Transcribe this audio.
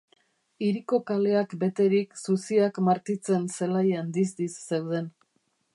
Hiriko kaleak beterik, zuziak Martitzen zelaian dizdiz zeuden.